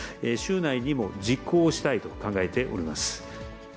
週内にも実行したいと考えております。